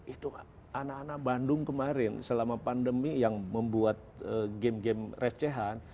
itu anak anak bandung kemarin selama pandemi yang membuat game game recehan